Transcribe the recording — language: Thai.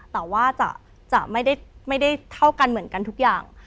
แต่ว่าจะไม่ได้เท่ากันเหมือนกันทุกอย่าง